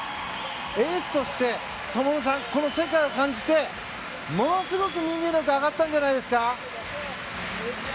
エースとして灯さん、この世界を感じてものすごく人間力上がったんじゃないですか？